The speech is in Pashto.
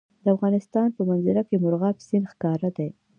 د افغانستان په منظره کې مورغاب سیند ښکاره دی.